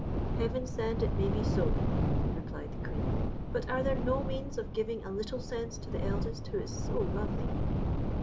"Heaven send it may be so," replied the Queen; "but are there no means of giving a little sense to the eldest, who is so lovely?"